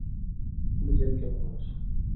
আমি জেনকে ভালোবাসি।